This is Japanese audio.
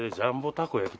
たこ焼き！？